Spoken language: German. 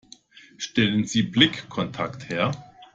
Stellen Sie Blickkontakt her.